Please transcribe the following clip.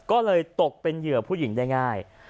ก็เลยตกเป็นเหยื่อผู้หญิงได้ง่าย